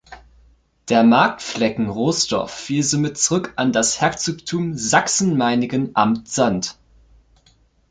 Der Marktflecken Roßdorf fiel somit zurück an das Herzogtum Sachsen-Meiningen, Amt Sand.